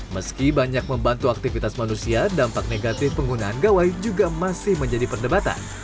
meski banyak membantu aktivitas manusia dampak negatif penggunaan gawai juga masih menjadi perdebatan